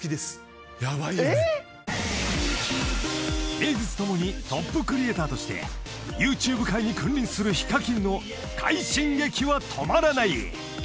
［名実共にトップクリエイターとしてＹｏｕＴｕｂｅ界に君臨するＨＩＫＡＫＩＮの快進撃は止まらない］